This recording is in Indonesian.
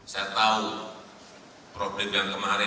saya tahu problem yang kemarin